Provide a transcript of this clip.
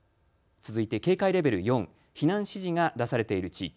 続いて警戒レベル４、避難指示が出されている地域。